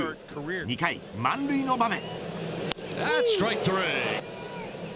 ２回、満塁の場面。